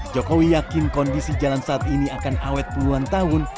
jokowi yakin kondisi jalan saat ini akan awet puluhan tahun